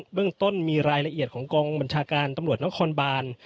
เรื่องต้นมีรายละเอียดของกองบัญชาการตำรวจนครบาน